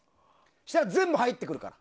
そうしたら全部入ってくるから。